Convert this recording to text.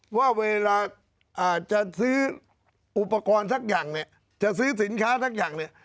ว่าเวลาจะซื้ออุปกรณ์สักอย่างเนี่ยจะซื้อสินค้าสักอย่างเนี่ย